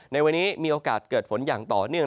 ในวันนี้มีโอกาสเกิดฝนอย่างต่อเนื่อง